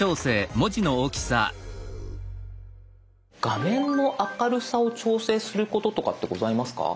画面の明るさを調整することとかってございますか？